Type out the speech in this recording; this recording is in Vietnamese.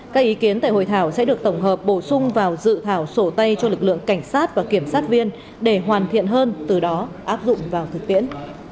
các ý kiến tại hội thảo sẽ được tổng hợp bổ sung vào dự thảo sổ tay cho lực lượng cảnh sát và kiểm sát viên để hoàn thiện hơn từ đó áp dụng vào thực tiễn